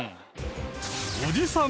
おじさん